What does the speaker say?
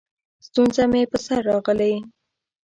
ستونزه مې په سر راغلې؛